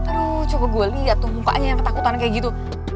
aduh coba gue liat tuh mumpanya yang ketakutan kayak gitu